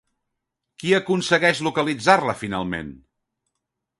Qui aconsegueix localitzar-la finalment?